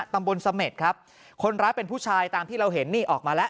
ตำบลเสม็ดครับคนร้ายเป็นผู้ชายตามที่เราเห็นนี่ออกมาแล้ว